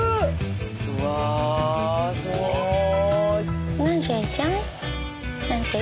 うわすごい。